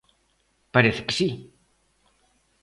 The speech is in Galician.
Parece que si.